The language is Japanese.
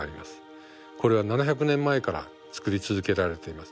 これは７００年前から作り続けられています。